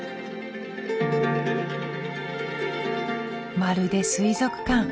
まるで水族館。